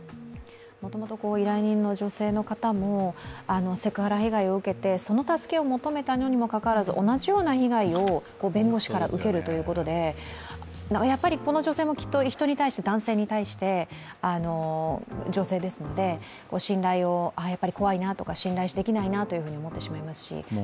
もともと依頼人の女性の方もセクハラ被害を受けてその助けを求めたにもかかわらず同じような被害を弁護士から受けるということでやっぱりこの女性も人に対して男性に対して、女性ですので、怖いなとか信頼できないなと思ってしまいますし。